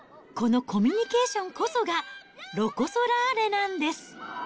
このコミュニケーションこそがロコ・ソラーレなんです。